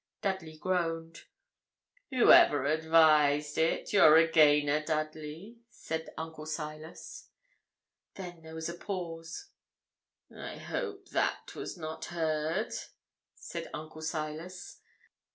Dudley groaned. 'Whoever advised it, you're a gainer, Dudley,' said Uncle Silas. Then there was a pause. 'I hope that was not heard,' said Uncle Silas.